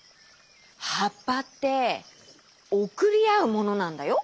はっぱっておくりあうものなんだよ！